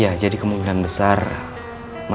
majalah yang menerbitkan cover dan juga penyelidikan